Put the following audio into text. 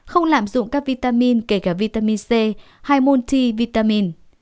không lạm dụng các vitamin kể cả vitamin c hay multivitamin